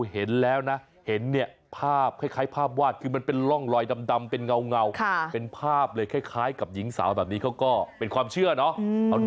เห็นแล้วนะเห็นเนี่ยภาพคล้ายภาพวาดคือมันเป็นร่องลอยดำเป็นเงาเป็นภาพเลยคล้ายกับหญิงสาวแบบนี้เขาก็เป็นความเชื่อเนาะ